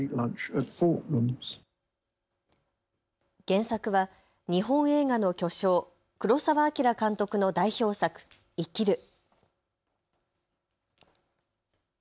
原作は日本映画の巨匠、黒澤明監督の代表作、生きる。